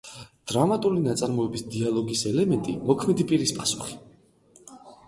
დრამატული ნაწარმოების დიალოგის ელემენტი, მოქმედი პირის პასუხი.